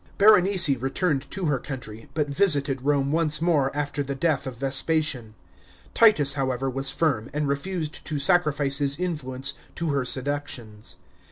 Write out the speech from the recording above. Berenice returned to her country, but visited Rome once more after the death of Vespasian. Titus, however, was firm, and refused to sacrifice his influence to her seductions.